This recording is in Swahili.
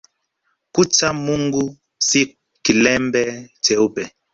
Kucha Mungu si kilemba cheupe